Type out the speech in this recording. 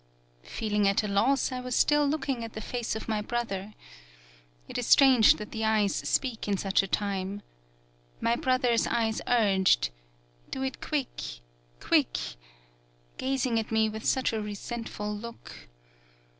Feeling at a loss, I was still looking at the face of my brother. It is strange that the eyes speak in such a time. My brother's eyes urged: 'Do it quick, quick,' gaz ing at me with such a resentful look.